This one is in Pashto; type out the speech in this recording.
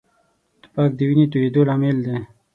توپک د وینې تویېدو لامل دی.